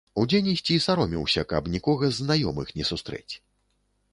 Удзень ісці сароміўся, каб нікога з знаёмых не сустрэць.